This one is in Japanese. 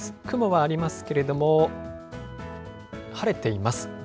雲はありますけれども、晴れています。